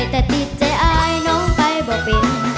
แต่ติดใจอายน้องไปบ่เป็น